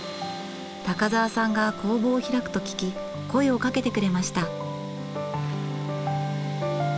高沢さんが工房を開くと聞き声をかけてくれました。